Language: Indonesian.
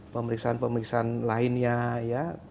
pemeriksaan pemeriksaan lainnya ya